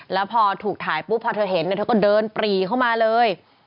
แล้วพอถูกถ่ายปุ๊บพอเธอเห็นเธอก็เดินปรีเข้ามาเลย